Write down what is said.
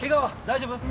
大丈夫？